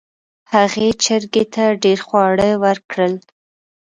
هغې چرګې ته ډیر خواړه ورکړل.